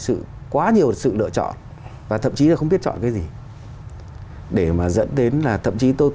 sự quá nhiều sự lựa chọn và thậm chí là không biết chọn cái gì để mà dẫn đến là thậm chí tôi